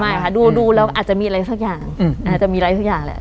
ค่ะดูแล้วอาจจะมีอะไรสักอย่างอาจจะมีอะไรทุกอย่างแหละ